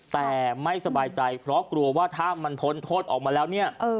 แต่ไม่สบายใจเพราะกลัวว่าถ้ามันพ้นโทษออกมาแล้วเนี่ย